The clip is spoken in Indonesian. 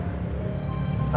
kamu tenang dulu